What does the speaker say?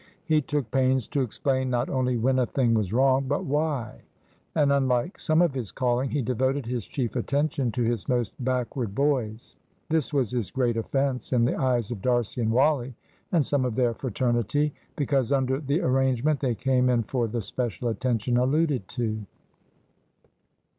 He took pains to explain not only when a thing was wrong, but why; and, unlike some of his calling, he devoted his chief attention to his most backward boys. This was his great offence in the eyes of D'Arcy and Wally and some of their fraternity, because under the arrangement they came in for the special attention alluded to.